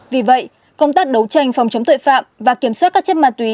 vì vậy công tác đấu tranh phòng chống tội phạm và kiểm soát các chất ma túy